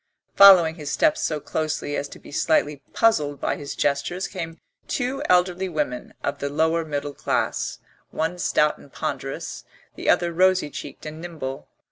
Following his steps so closely as to be slightly puzzled by his gestures came two elderly women of the lower middle class, one stout and ponderous, the other rosy cheeked and nimble.